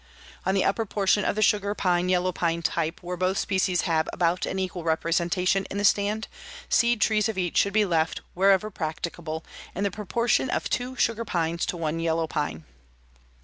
"On the upper portion of the sugar pine yellow pine type, where both species have about an equal representation in the stand, seed trees of each should be left, wherever practicable, in the proportion of two sugar pines to one yellow pine."